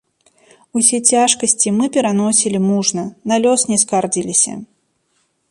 Усе цяжкасці мы пераносілі мужна, на лёс не скардзіліся.